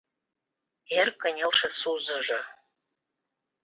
Эр кынелше сузыжо